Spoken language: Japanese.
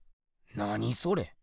何それ？